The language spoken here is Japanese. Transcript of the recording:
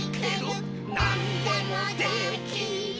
「なんでもできる！！！」